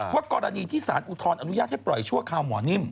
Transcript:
กรณีที่สารอุทธรณอนุญาตให้ปล่อยชั่วคราวหมอนิ่ม